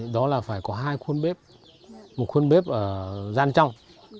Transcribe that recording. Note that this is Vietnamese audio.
đó là phải có hai khuôn bếp một khuôn bếp ở gian trong